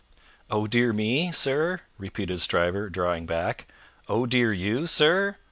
"Oh dear me, sir?" repeated Stryver, drawing back. "Oh dear you, sir?